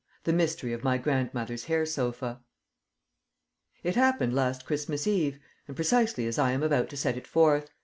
THE MYSTERY OF MY GRANDMOTHER'S HAIR SOFA It happened last Christmas Eve, and precisely as I am about to set it forth.